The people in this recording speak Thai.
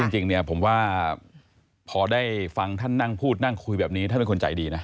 จริงเนี่ยผมว่าพอได้ฟังท่านนั่งพูดนั่งคุยแบบนี้ท่านเป็นคนใจดีนะ